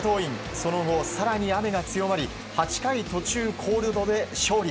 その後、更に雨が強まり８回途中コールドで勝利。